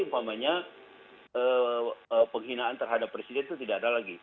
umpamanya penghinaan terhadap presiden itu tidak ada lagi